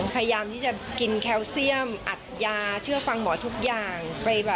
พยายามที่จะกินแคลเซียมอัดยาเชื่อฟังหมอทุกอย่าง